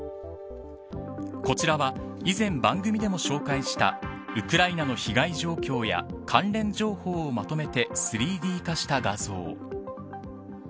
こちらは、以前番組でも紹介したウクライナの被害状況や関連情報をまとめて３Ｄ化した画像。